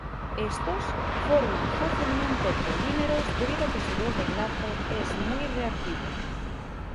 Éstos forman fácilmente polímeros debido a que su doble enlace es muy reactivo.